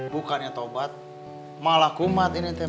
bukannya tobat malah kumat ini